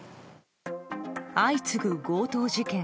相次ぐ強盗事件。